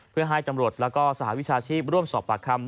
เพื่อให้ตำรวจแล้วก็สหวิชาชีพร่วมสอบปากคำ